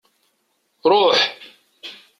Ruḥ!